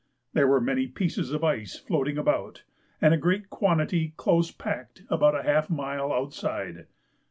There were many pieces of ice floating about, and a great quantity close packed about half a mile outside.